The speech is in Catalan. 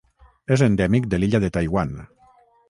És endèmic de l'illa de Taiwan.